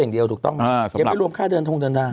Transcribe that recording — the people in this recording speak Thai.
เดี๋ยวไปรวมค่าเดินทงเดินทาง